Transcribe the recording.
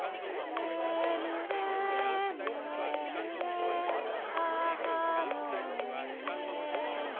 「ねむれねむれ母のむねに」